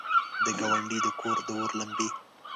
د ګاونډي د کور، داور لمبې!